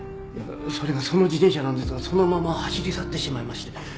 それがその自転車なんですがそのまま走り去ってしまいまして。